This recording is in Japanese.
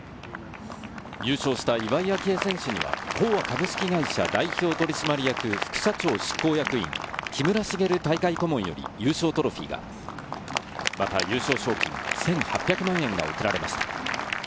優勝した岩井明愛選手には、興和株式会社、代表取締役副社長執行役員・木村茂大会顧問より優勝トロフィーが、また優勝賞金１８００万円が贈られました。